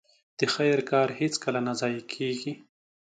د خير کار هيڅکله نه ضايع کېږي.